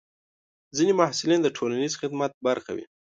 ځینې محصلین د ټولنیز خدمت برخه وي.